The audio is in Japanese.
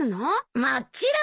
もちろん！